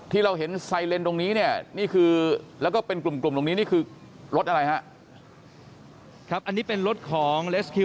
ที่เราเห็นไซเลนส์ตรงนี้เนี่ยแล้วก็เป็นกลุ่มตรงนี้